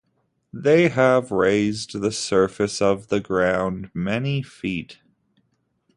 They have raised the surface of the ground many feet.